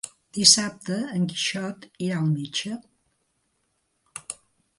Dissabte en Quixot irà al metge.